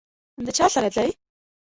د چا سره ځئ؟